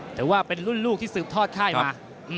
ถือว่าเป็นรุ่นลูกที่สืบทอดค่ายมา